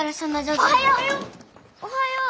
おはよう。